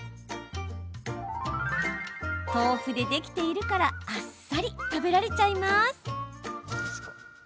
豆腐でできているからあっさり食べられちゃいます。